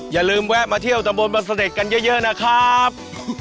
อย่าลืมแวะมาเที่ยวตำบลบังเสด็จกันเยอะนะครับ